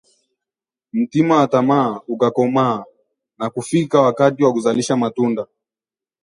Mti wa tamaa, ukakomaa na kufika wakati wa kuzalisha matunda